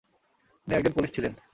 উনি একজন পুলিশ ছিলেন।